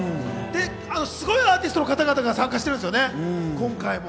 すごいアーティストの方々が参加してるんですよね。